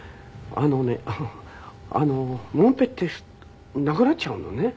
あのねモンペってなくなっちゃうのね。